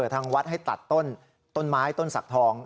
ทางวัดให้ตัดต้นไม้ต้นสักทอง